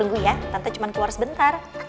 tunggu ya tante cuma keluar sebentar